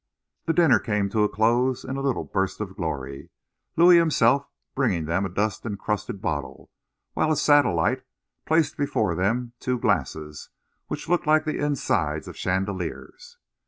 The dinner came to a close in a little burst of glory, Louis himself bringing them a dust encrusted bottle, whilst a satellite placed before them two glasses which looked like the insides of chandeliers.